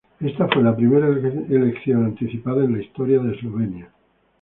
Esta fue la primera elección anticipada en la historia de Eslovenia.